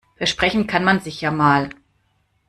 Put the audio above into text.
Versprechen kann man sich ja mal.